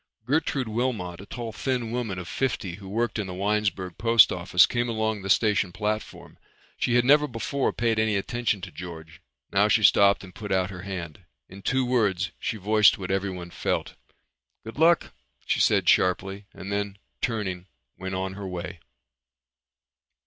Gertrude Wilmot, a tall thin woman of fifty who worked in the Winesburg post office, came along the station platform. She had never before paid any attention to George. Now she stopped and put out her hand. In two words she voiced what everyone felt. "Good luck," she said sharply and then turning went on her way.